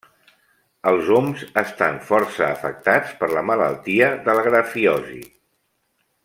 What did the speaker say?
Els oms estan força afectats per la malaltia de la Grafiosi.